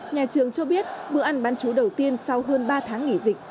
nhà trường cho biết bữa ăn bán chú đầu tiên sau hơn ba tháng nghỉ dịch